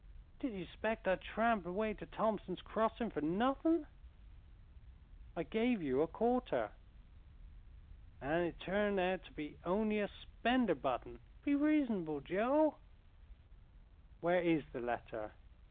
"Did ye 'spect I'd tramp way t' Thompson's Crossing fer nuthin'?" "I gave you a quarter." "An' it turned out to be on'y a 'spender butt'n. Be reason'ble, Joe." "Where is the letter?"